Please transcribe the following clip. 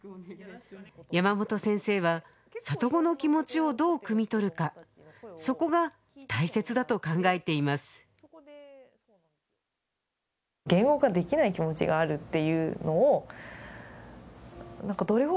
山本先生は里子の気持ちをどうくみ取るかそこが大切だと考えていますというふうに思うときがあって。